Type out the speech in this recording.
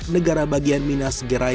negara bagian indonesia